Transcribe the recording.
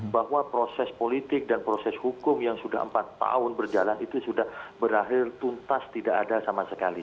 bahwa proses politik dan proses hukum yang sudah empat tahun berjalan itu sudah berakhir tuntas tidak ada sama sekali